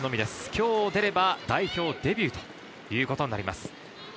今日出れば代表デビューとなります。